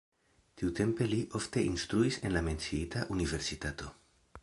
Tiutempe li ofte instruis en la menciita universitato.